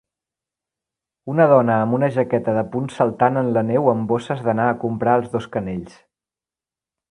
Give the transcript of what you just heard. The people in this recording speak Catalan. Una dona amb una jaqueta de punts saltant en la neu amb bosses d'anar a comprar als dos canells